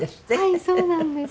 はいそうなんです。